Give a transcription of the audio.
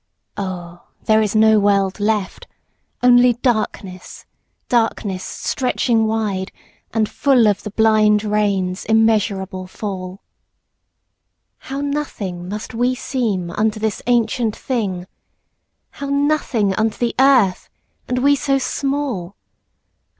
Oh, there is no world! left Only darkness, darkness stretching wideAnd full of the blind rain's immeasurable fall! How nothing must we seem unto this ancient thing! How nothing unto the earth—and we so small!